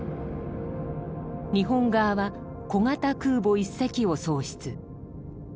日本側は小型空母１隻を喪失。